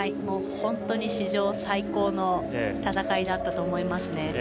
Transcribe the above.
本当に史上最高の戦いだったと思いますね。